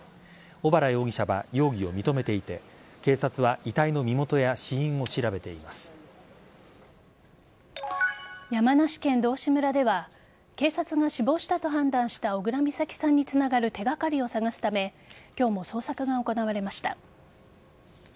小原容疑者は容疑を認めていて警察は山梨県道志村では警察が死亡したと判断した小倉美咲さんにつながる手がかりを探すため今日も捜索が行われました。